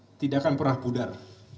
saya tidak akan pernah budar